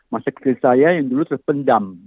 masa kecil saya yang dulu terpendam